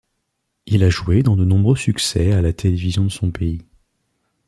Il a joué dans de nombreux succès à la télévision de son pays.